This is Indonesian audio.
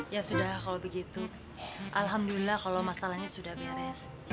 ya sudah kalau begitu alhamdulillah kalau masalahnya sudah beres